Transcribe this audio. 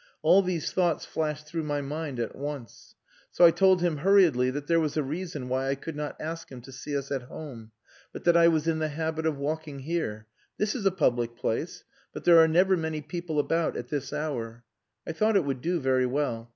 All these thoughts flashed through my mind at once. So I told him hurriedly that there was a reason why I could not ask him to see us at home, but that I was in the habit of walking here.... This is a public place, but there are never many people about at this hour. I thought it would do very well.